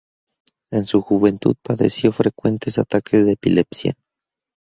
En su juventud padeció frecuentes ataques de epilepsia.